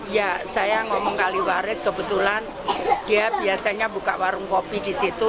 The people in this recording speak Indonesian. ya saya ngomong kaliwaris kebetulan dia biasanya buka warung kopi di situ